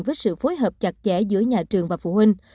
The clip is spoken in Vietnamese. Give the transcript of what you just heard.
với sự phối hợp chặt chẽ giữa nhà trường và phụ huynh